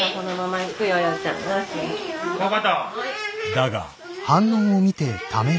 だが。